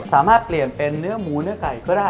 สามารถเปลี่ยนเป็นเนื้อหมูเนื้อไก่ก็ได้